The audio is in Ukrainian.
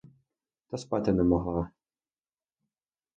Та спати не могла.